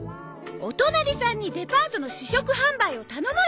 お隣さんにデパートの試食販売を頼まれたのよ。